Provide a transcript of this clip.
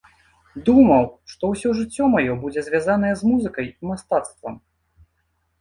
Думаў, што ўсё жыццё маё будзе звязанае з музыкай і мастацтвам.